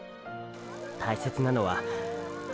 大切なのはーー